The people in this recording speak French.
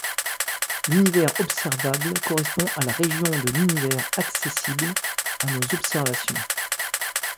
L'univers observable correspond à la région de l'Univers accessible à nos observations.